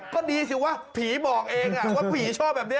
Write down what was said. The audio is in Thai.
ก็ดีสิว่าผีบอกเองว่าผีชอบแบบนี้